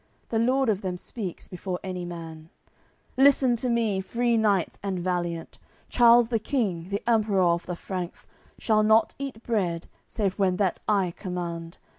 The lord of them speaks before any man: "Listen to me, free knights and valiant! Charles the King, the Emperour of the Franks, Shall not eat bread, save when that I command.